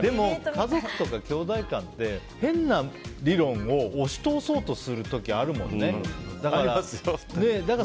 家族とかきょうだい間って変な理論を押し通そうとする時あるもんね。